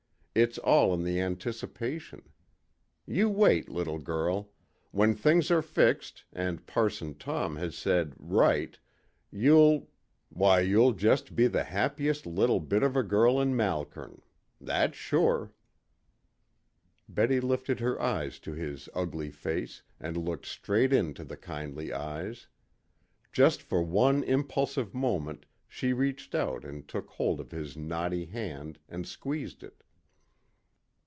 It's all in the anticipation. You wait, little girl. When things are fixed, and Parson Tom has said 'right,' you'll why, you'll just be the happiest little bit of a girl in Malkern. That's sure." Betty lifted her eyes to his ugly face and looked straight into the kindly eyes. Just for one impulsive moment she reached out and took hold of his knotty hand and squeezed it.